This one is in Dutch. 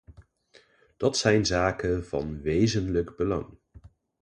Dat zijn zaken van wezenlijk belang.